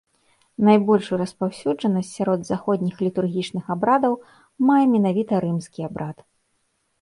Найбольшую распаўсюджанасць сярод заходніх літургічных абрадаў мае менавіта рымскі абрад.